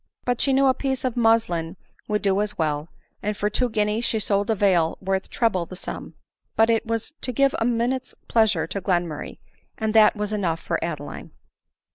But she knew a piece of muslin would do as well; and for two guineas she sold a veil worth treble the sum ; but it was to give a minute's pleasure to Glenmurray, and that was enough for Adeline.